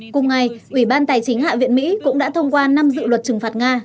cùng ngày ủy ban tài chính hạ viện mỹ cũng đã thông qua năm dự luật trừng phạt nga